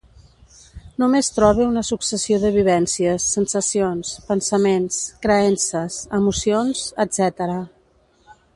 Només trobe una successió de vivències, sensacions, pensaments, creences, emocions, etcètera.